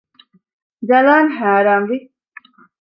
ޖަލާން ހައިރާންވި